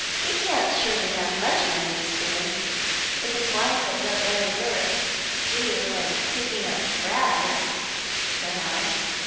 "He can't surely have much money to spend, if his wife has no better work to do than picking up rags," said I.